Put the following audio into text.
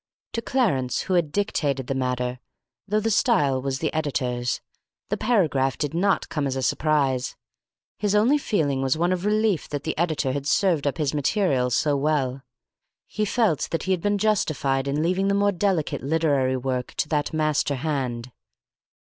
To Clarence, who had dictated the matter (though the style was the editor's), the paragraph did not come as a surprise. His only feeling was one of relief that the editor had served up his material so well. He felt that he had been justified in leaving the more delicate literary work to that master hand.